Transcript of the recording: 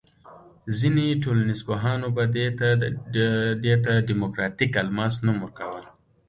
ځینې ټولنیز پوهانو به دې ته دیموکراتیک الماس نوم ورکاوه.